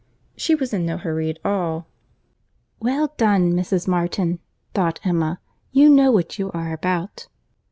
She was in no hurry at all. "Well done, Mrs. Martin!" thought Emma. "You know what you are about."